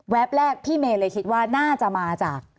แรกพี่เมย์เลยคิดว่าน่าจะมาจาก